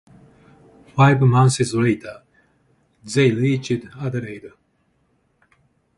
Five months later they reached Adelaide.